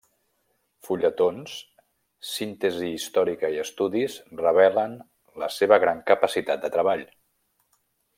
Fulletons, síntesi històrica i estudis revelen la seva gran capacitat de treball.